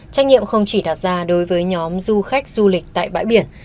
trách nhiệm không chỉ đặt ra đối với nhóm du khách du lịch tại bãi biển